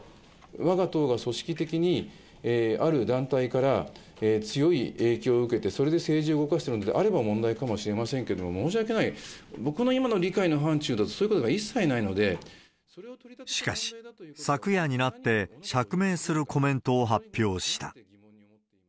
わが党が組織的に、ある団体から強い影響を受けて、それで政治を動かしているのであれば問題かもしれませんけれども、申し訳ない、僕の今の理解の範ちゅうだと、そういうことが一切なしかし、昨夜になって釈明するコメントを発表した。